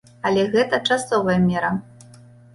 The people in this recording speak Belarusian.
Але гэта часовая мера.